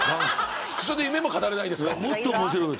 スクショで夢語れないんですか。